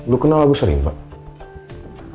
lo kenal lagu serimbang